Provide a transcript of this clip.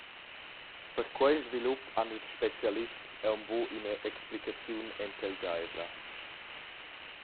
Per quei svilup han ils specialists aunc buca ina explicaziun entelgeivla.